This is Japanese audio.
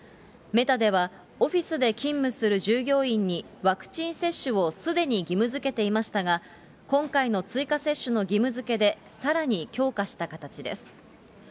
メタではオフィスで勤務する従業員にワクチン接種をすでに義務づけていましたが、今回の追加接種の義務づけでさらに強化した形です。